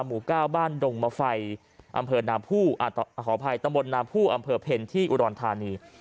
หมู่๙บ้านดงมไฟอำเภอนาผู้ขออภัยตำบลนาผู้อำเภอเพลที่อุดรธานี